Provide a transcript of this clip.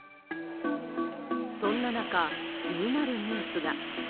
そんな中、気になるニュースが。